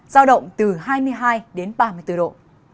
giao động từ hai mươi hai đến ba mươi bốn độ